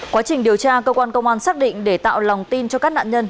quá trình điều tra cơ quan công an xác định để tạo lòng tin cho các nạn nhân